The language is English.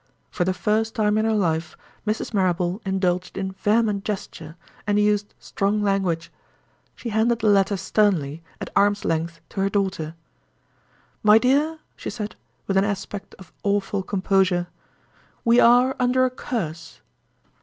For the first time in her life Mrs. Marrable indulged in vehement gesture, and used strong language. She handed the letter sternly, at arms length, to her daughter. "My dear," she said, with an aspect of awful composure, "we are under a Curse."